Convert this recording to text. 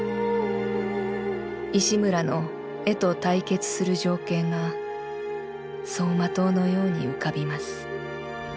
石村の絵と対決する情景が走馬灯のように浮かびます」。